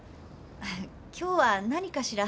今日は何かしら？